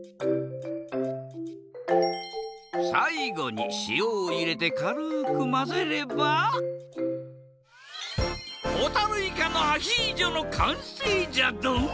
さいごにしおをいれてかるくまぜればほたるいかのアヒージョのかんせいじゃドン。